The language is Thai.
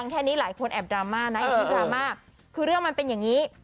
คือเรื่องมันเป็นอย่างนี้